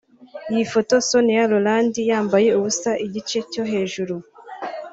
Iyi foto ya Sonia Rolland yambaye ubusa igice cyo hejuru